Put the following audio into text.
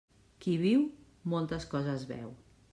Qui viu, moltes coses veu.